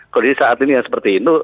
kondisi saat ini yang seperti itu